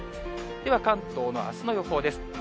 では関東のあすの予報です。